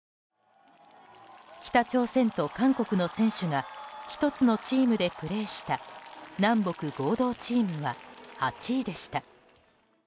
北朝鮮と韓国の選手が１つのチームでプレーした南北合同チームは８位でした。